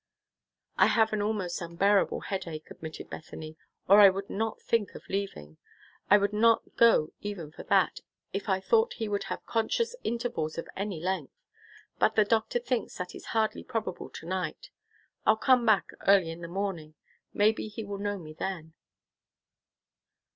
"I have an almost unbearable headache," admitted Bethany, "or I would not think of leaving. I would not go even for that, if I thought he would have conscious intervals of any length; but the doctor thinks that is hardly probable to night. I'll come back early in the morning. Maybe he will know me then."